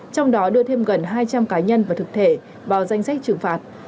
trong đó đưa thêm gần hai trăm linh cá nhân và thực thể vào danh sách trừng phạt